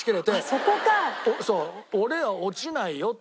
「俺は落ちないよ」って。